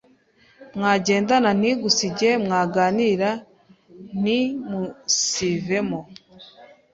mwagendana ntigusige, mwaganira ntiumunsivemo,